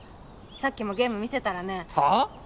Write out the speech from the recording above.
さっきもゲーム見せたらねはあ？